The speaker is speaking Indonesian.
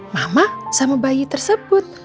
mama sama bayi tersebut